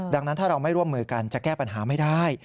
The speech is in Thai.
ดังนั้นถ้าเราไม่ร่วมมือกันจะแก้ปัญหาไม่ได้